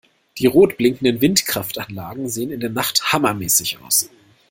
Die rot blinkenden Windkraftanlagen sehen in der Nacht hammermäßig aus!